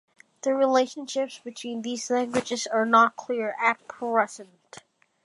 The relationships between these languages are not clear at present.